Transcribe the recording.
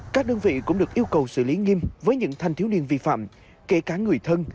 các đơn vị cũng được yêu cầu xử lý nghiêm với những thanh thiếu niên vi phạm kể cả người thân